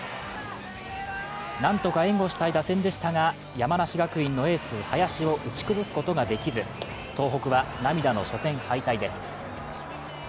なんとか援護したい打線でしたが山梨学院のエース・林を打ち崩すことができず、東北は涙の初戦敗退です。